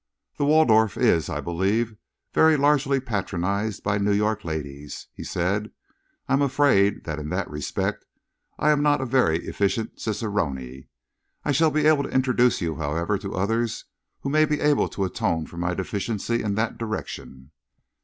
"The Waldorf is, I believe, very largely patronised by New York ladies," he said. "I am afraid that in that respect I am not a very efficient cicerone. I shall be able to introduce you, however, to others who may be able to atone for my deficiency in that direction."